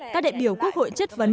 các đại biểu quốc hội chất vấn